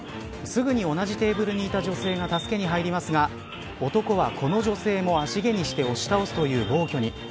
すぐに同じテーブルにいた女性が助けに入りますが男はこの女性も足蹴にして押し倒すという暴挙に。